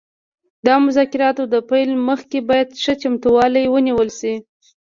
د مذاکراتو د پیل مخکې باید ښه چمتووالی ونیول شي